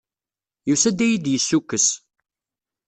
Yusa-d ad iyi-d-yessukkes.